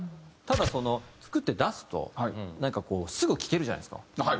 ただ作って出すとなんかこうすぐ聴けるじゃないですか。